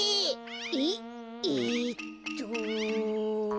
えっえっと。